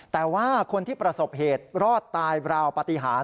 แต่ว่าคนที่ประสบเหตุรอดตายราวปฏิหาร